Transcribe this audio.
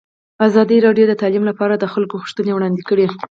ازادي راډیو د تعلیم لپاره د خلکو غوښتنې وړاندې کړي.